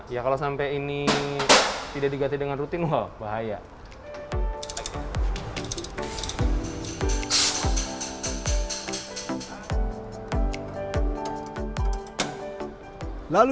ya kalau sampai ini tidak diganti dengan rutin wah bahaya